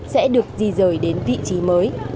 sẽ được di rời đến vị trí mới